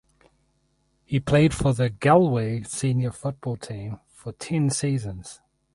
He played for the Galway senior football team for ten seasons.